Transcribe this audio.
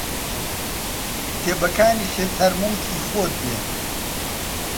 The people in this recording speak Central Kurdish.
کتێبەکانیشت هەر موڵکی خۆت بێ